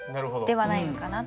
ではないのかな。